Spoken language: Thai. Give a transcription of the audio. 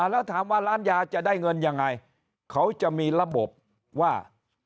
แล้วถามว่าร้านยาจะได้เงินยังไงเขาจะมีระบบว่า